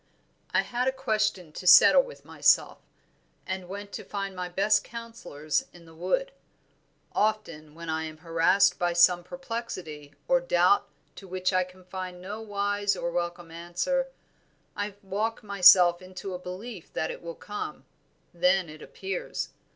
"I had a question to settle with myself and went to find my best counsellors in the wood. Often when I am harassed by some perplexity or doubt to which I can find no wise or welcome answer, I walk myself into a belief that it will come; then it appears.